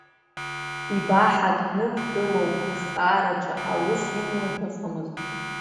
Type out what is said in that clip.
Ибаҳа кны дгылоуп, ихкаараҿы аус имуа дыҟамызт.